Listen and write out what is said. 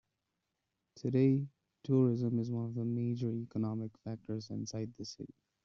Today, tourism is one of the major economic factors inside the city.